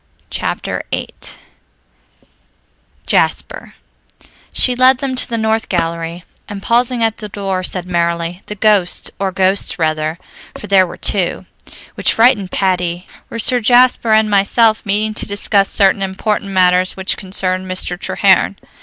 Chapter VIII JASPER She led them to the north gallery and, pausing at the door, said merrily, "The ghost or ghosts rather, for there were two which frightened Patty were Sir Jasper and myself, meeting to discuss certain important matters which concerned Mr. Treherne.